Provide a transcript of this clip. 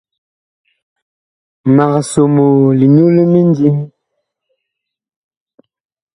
Mag somoo linyu limindim.